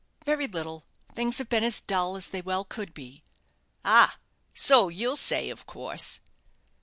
"Very little; things have been as dull as they well could be." "Ah! so you'll say, of course.